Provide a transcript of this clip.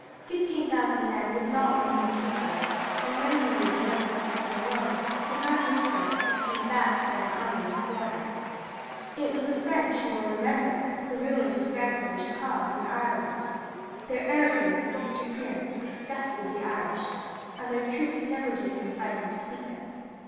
Fifteen thousand men would not win him a kingdom, and many who would join him if he came alone would not do so if he came backed by an army of foreigners. It was the French, you will remember, who ruined his grandfather's cause in Ireland. Their arrogance and interference disgusted the Irish, and their troops never did any fighting to speak of.